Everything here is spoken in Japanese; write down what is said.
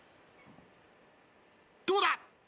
どうだ！